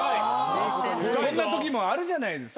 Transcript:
こんなときもあるじゃないですか。